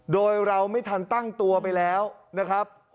โดยเราไม่ทันตั้งตัวไปแล้วนะครับ